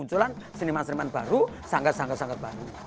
munculan seniman seniman baru sangka sangka sangka baru